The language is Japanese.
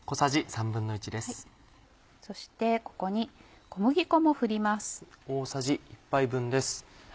そしてここに小麦粉も振ります。